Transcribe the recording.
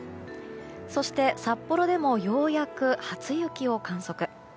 そして、札幌でもようやく初雪を観測。